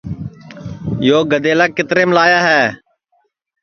یو گَِدیلا کِتریم لایا ہے